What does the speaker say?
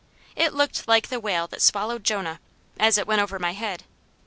It looked like the whale that swallowed Jonah, as it went over my head.